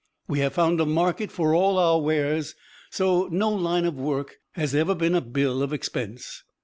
We have found a market for all our wares, so no line of work has ever been a bill of expense.